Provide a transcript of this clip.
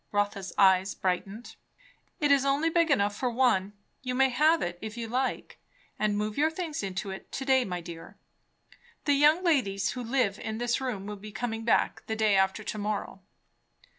Rotha's eyes brightened. "It is only big enough for one. You may have it, if you like. And move your things into it to day, my dear. The young ladies who live in this room will be coming back the day after to morrow."